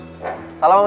saya sudah berada di rumah